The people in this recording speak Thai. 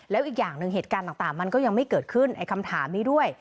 แล้วอีกอย่างหนึ่งเหตุการณ์ต่างมันก็ยังไม่เกิดขึ้นไอ้คำถามนี้ด้วย